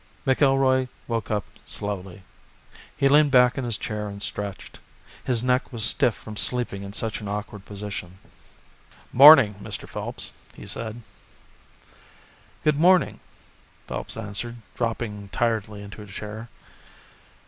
McIlroy woke up slowly. He leaned back in his chair and stretched. His neck was stiff from sleeping in such an awkward position. "'Morning, Mr. Phelps," he said. "Good morning," Phelps answered, dropping tiredly into a chair.